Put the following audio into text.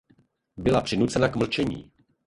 Byla přinucena k mlčení.